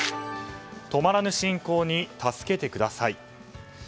止まらぬ侵攻に、助けてください。